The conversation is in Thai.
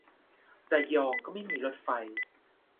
ระยองก็ไม่มีรถไฟ